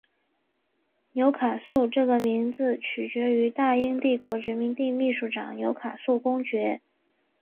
纽卡素这个名字取自于大英帝国殖民地秘书长纽卡素公爵。